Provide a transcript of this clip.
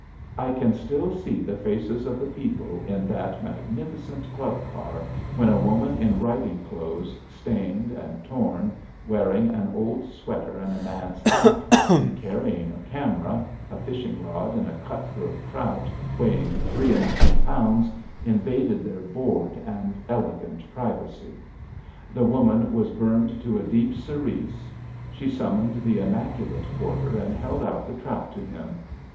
I can still see the faces of the people in that magnificent club car when a woman in riding clothes, stained and torn, wearing an old sweater and a man's hat, and carrying a camera, a fishing rod, and a cutthroat trout weighing three and a half pounds, invaded their bored and elegant privacy. The woman was burned to a deep cerise. She summoned the immaculate porter and held out the trout to him.